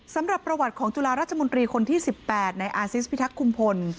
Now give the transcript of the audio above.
สำหรับประวัติของจุฬาราชมนตรีคนที่๑๘ในอาซิสพิทักษ์คุมพล